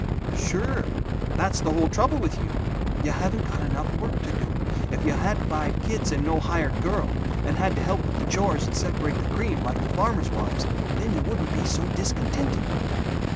Sure! That's the whole trouble with you! You haven't got enough work to do. If you had five kids and no hired girl, and had to help with the chores and separate the cream, like these farmers' wives, then you wouldn't be so discontented."